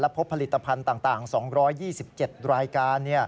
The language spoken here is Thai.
พบผลิตภัณฑ์ต่าง๒๒๗รายการ